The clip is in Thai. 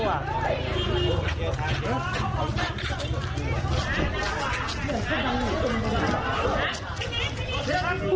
มันมาตัวเนี่ยไว้มันมาตัวเนี่ยไว้